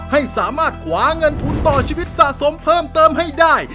ให้สามารถขวาเงินทุนต่อชีวิตสะสมเพิ่มเติมให้ได้